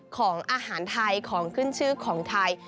ของอาหารไทยของขึ้นชื่อของไทย